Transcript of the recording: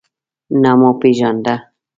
نه مو پیژانده.